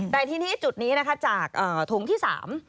แต่ทีนี้จุดนี้นะคะจากถุงที่สาม